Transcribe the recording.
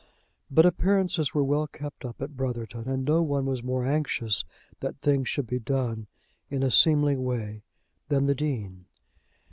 But appearances were well kept up at Brotherton, and no one was more anxious that things should be done in a seemly way than the Dean.